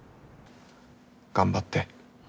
頑張って。